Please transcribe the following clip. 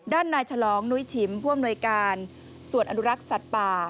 ด้านนายฉลองนุ้ยฉิมผู้อำนวยการส่วนอนุรักษ์สัตว์ป่า